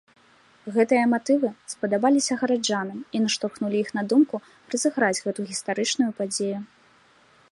Гэтыя матывы спадабаліся гараджанам і наштурхнулі іх на думку разыграць гэту гістарычную падзею.